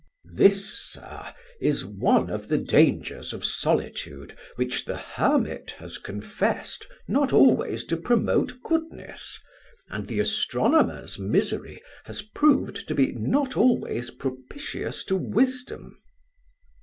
"This, sir, is one of the dangers of solitude, which the hermit has confessed not always to promote goodness, and the astronomer's misery has proved to be not always propitious to wisdom."